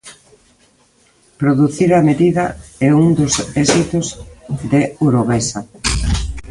Producir a medida é un dos éxitos de Urovesa.